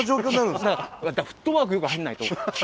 だからフットワークよく入んないと。